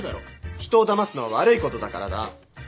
人をだますのは悪いことだからだ。